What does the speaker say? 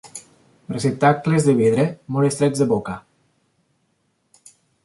Receptacles de vidre molt estrets de boca.